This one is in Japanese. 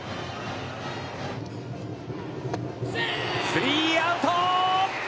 スリーアウト！